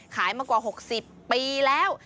ขายมากว่า๖๐ปีแล้ว